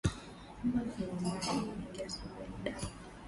Kunwa mayi mingi asubui ni dawa